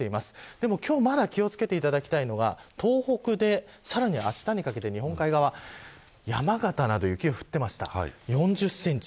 でも、今日まだ気を付けていただきたいのが東北へ、さらにあしたにかけて日本海側山形など雪が降ってました、４０センチ。